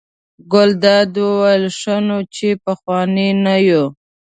ګلداد وویل: ښه نو چې پخواني نه یو.